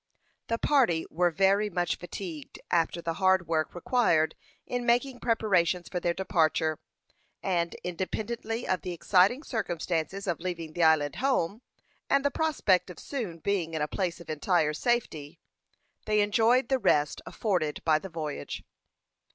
The party were very much fatigued after the hard work required in making preparations for their departure, and independently of the exciting circumstances of leaving the island home, and the prospect of soon being in a place of entire safety, they enjoyed the rest afforded by the voyage.